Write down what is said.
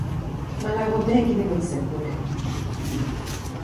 Malogho mengi nigho nisekunde